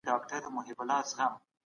تاسې بايد خپلې زده کړې خپرې کړئ.